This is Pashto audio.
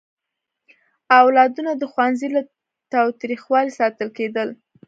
اولادونه د ښوونځي له تاوتریخوالي ساتل کېدل.